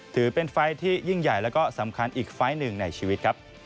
ถือเป็นไฟต์ที่ยิ่งใหญ่และหรือกวารสำคัญอีกไฟต์หนึ่งในชีวิต